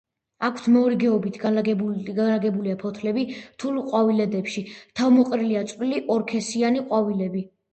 აქვთ მორიგეობით განლაგებულია ფოთლები, რთულ ყვავილედებში თავმოყრილია წვრილი ორსქესიანი ყვავილები.